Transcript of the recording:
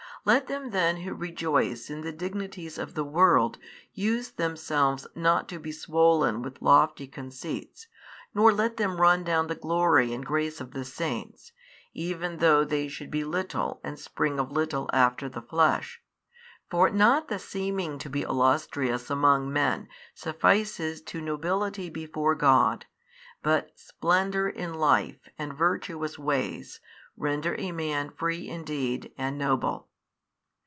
Let them then who rejoice in the dignities of the world use themselves not to be swollen with lofty conceits nor let them run down the glory and grace of the saints, even though they should be little and spring of little after the flesh: for not the seeming to be illustrious among men suffices to nobility before God, but splendour in life and virtuous ways render a man free indeed and noble.